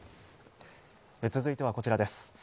続いてはこちらです。